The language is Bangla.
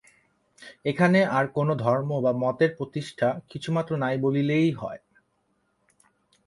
এখানে আর কোন ধর্ম বা মতের প্রতিষ্ঠা কিছুমাত্র নাই বলিলেই হয়।